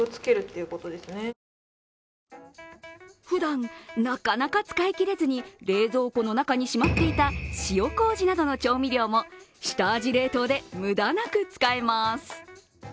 ふだん、なかなか使いきれずに冷蔵庫の中にしまっていた塩こうじなどの調味料も下味冷凍で無駄なく使えます。